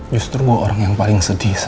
justru gue orang yang paling sedih